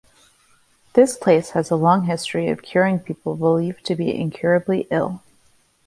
This place has a long history of curing people believed to be incurably ill.